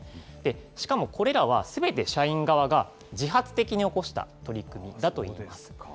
しかもこれらは、すべて社員側が自発的に起こした取り組みだということです。